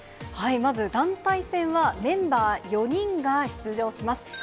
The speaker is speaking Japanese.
まず、団体戦はメンバー４人が出場します。